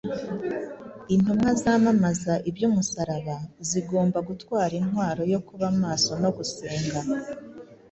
Intumwa zamamaza iby’umusaraba zigomba gutwara intwaro yo kuba maso no gusenga